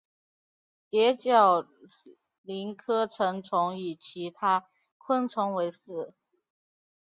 蝶角蛉科成虫以其他昆虫为食。